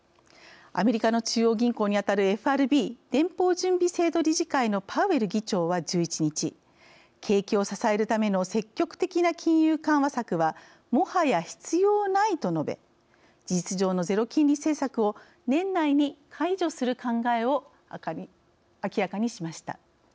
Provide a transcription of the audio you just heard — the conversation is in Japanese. アメリカの中央銀行にあたるＦＲＢ＝連邦準備制度理事会のパウエル議長は、１１日景気を支えるための積極的な金融緩和策はもはや必要ないと述べ事実上のゼロ金利政策を年内に解除する考えを明らかにしました。